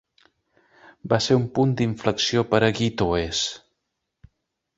Va ser un punt d'inflexió per a Gittoes.